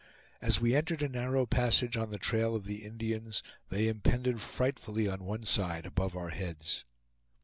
As we entered a narrow passage on the trail of the Indians, they impended frightfully on one side, above our heads.